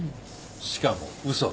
しかも嘘の。